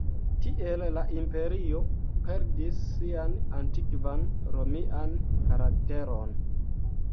Tiel la imperio perdis sian antikvan romian karakteron.